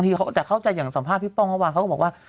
แต่เข้าใจสัมภาพพี่ป้องเพราะว่าเขาบอกว่า